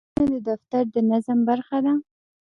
بوټونه د دفتر د نظم برخه ده.